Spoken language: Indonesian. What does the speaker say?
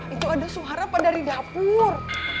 itu ada suara pak dari dapur